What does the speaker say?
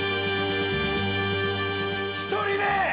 １人目！